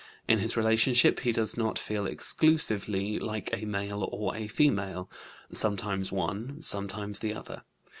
In his relationship he does not feel exclusively like a male or a female: sometimes one, sometimes the other.